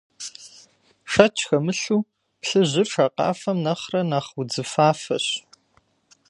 Шэч хэмылъу, плъыжьыр шакъафэм нэхърэ нэхъ удзыфафэщ.